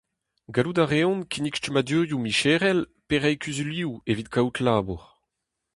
Gallout a reont kinnig stummadurioù micherel pe reiñ kuzulioù evit kavout labour.